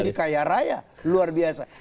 kaya raya luar biasa